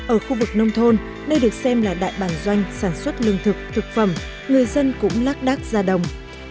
ở khu vực nông thôn đây được xem là đại bản doanh sản xuất lương thực thực phẩm người dân cũng lác đác ra đồng